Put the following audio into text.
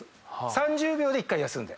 ３０秒で１回休んで。